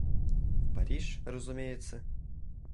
В Париж, разумеется?.